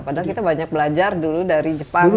padahal kita banyak belajar dulu dari jepang